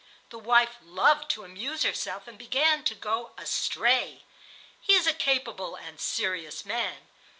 The wife loved to amuse herself, and began to go astray. He is a capable and serious man.